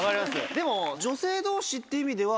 でも女性同士って意味では。